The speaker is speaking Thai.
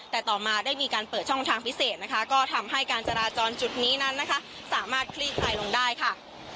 แต่ต่อมาได้มีการเปิดช่องทางพิเศษนะคะก็ทำให้การจราจรจุดนี้นั้นนะคะสามารถคลี่คลายลงได้ค่ะ